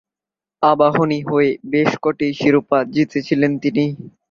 আবাহনীর হয়ে বেশ ক’টি শিরোপা জিতেছিলেন তিনি।